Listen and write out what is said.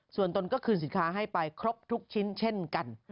ส่วนตนก็คืนสินค้าให้ไปครบทุกชิ้นเช่นกัน